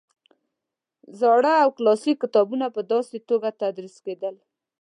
زاړه او کلاسیک کتابونه په داسې توګه تدریس کېدل.